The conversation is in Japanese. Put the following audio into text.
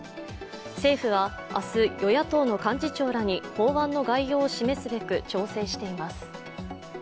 政府は明日、与野党の幹事長らに法案の概要を示すべく調整しています。